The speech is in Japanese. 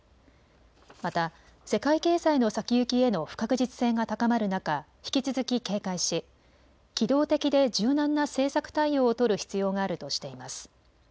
また世界経済の先行きへの不確実性が高まる中、引き続き警戒し機動的で柔軟な政策対応を取る必要があるとしています。